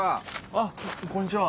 あっこんにちは！